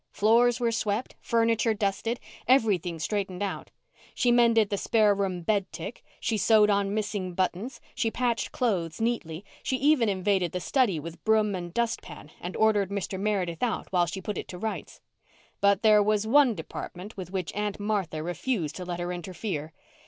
Floors were swept, furniture dusted, everything straightened out. She mended the spare room bed tick, she sewed on missing buttons, she patched clothes neatly, she even invaded the study with broom and dustpan and ordered Mr. Meredith out while she put it to rights. But there was one department with which Aunt Martha refused to let her interfere.